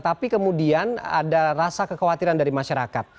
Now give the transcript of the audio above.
tapi kemudian ada rasa kekhawatiran dari masyarakat